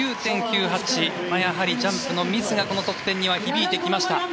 やはりジャンプのミスがこの得点には響いてきました。